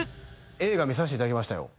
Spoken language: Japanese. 映画見させていただきましたよ